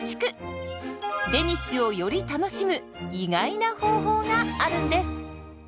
デニッシュをより楽しむ意外な方法があるんです。